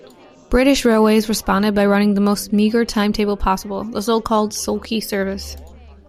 British Railways responded by running the most meagre timetable possible, the so-called "Sulky Service".